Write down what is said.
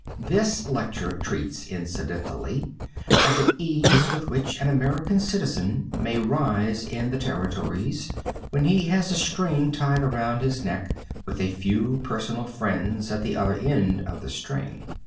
This lecture treats incidentally of the ease with which an American citizen may rise in the Territories, when he has a string tied around his neck, with a few personal friends at the other end of the string.